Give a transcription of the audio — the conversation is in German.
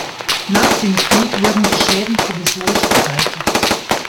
Nach dem Krieg wurden die Schäden provisorisch beseitigt.